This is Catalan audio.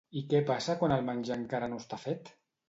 I què passa quan el menjar encara no està fet?